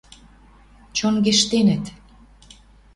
— Чонгештенӹт